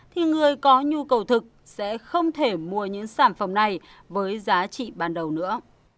thì người có nhu cầu thực sẽ không thể mua những sản phẩm này với giá trị ban đầu nữa